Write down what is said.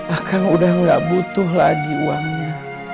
akan udah gak butuh lagi uangnya